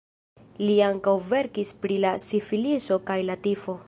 Li ankaŭ verkis pri la sifiliso kaj la tifo.